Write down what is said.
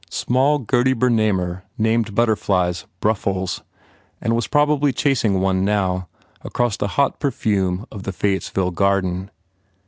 Small Gurdy Bernamer named butterflies "bruffles" and was probably chasing one, now, across the hot perfume of the Fayettesville garden.